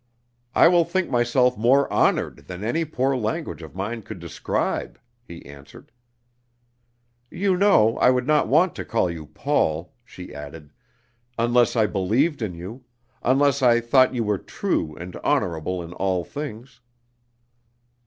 "I will think myself more honored than any poor language of mine could describe," he answered. "You know I would not want to call you Paul," she added, "unless I believed in you unless I thought you were true and honorable in all things."